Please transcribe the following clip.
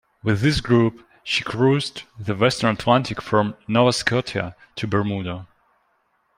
With this group she cruised the western Atlantic from Nova Scotia to Bermuda.